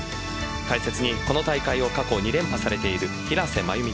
解説にこの大会を過去２連覇されている平瀬真由美